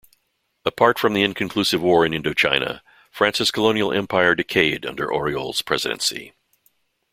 Apart from the inconclusive war in Indochina, France's colonial empire decayed under Auriol's presidency.